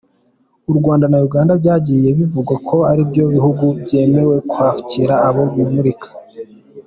U Rwanda na Uganda byagiye bivugwa ko aribyo bihugu byemeye kwakira abo bimukira.